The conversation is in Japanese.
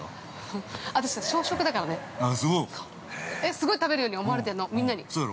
◆すごい食べるように思われてんの、みんなに。